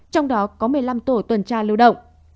trong đó có một mươi năm tổ tuần tra lưu động